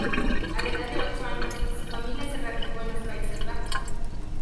A la edad de ocho años su familia se radicó en los Países Bajos.